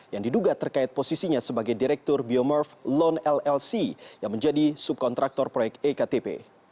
yang diduga terkait posisinya sebagai direktur biomarf lone llc yang menjadi subkontraktor proyek ektp